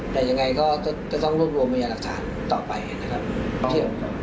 แต่ยังไงก็จะต้องรวบรวมพยาหลักฐานต่อไปนะครับ